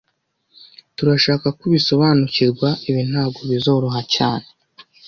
Turashaka ko usobanukirwa ibi ntago bizoroha cyane